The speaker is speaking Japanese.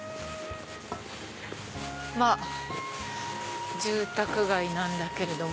まぁ住宅街なんだけれども。